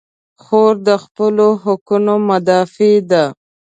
خور د خپلو حقونو مدافع ده.